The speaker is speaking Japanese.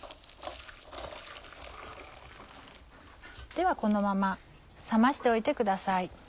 ではこのまま冷ましておいてください。